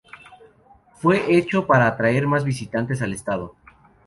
Fue hecho para atraer a más visitantes al estado.